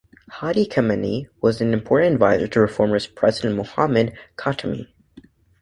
Hadi Khamenei was an important adviser to reformist President Mohammad Khatami.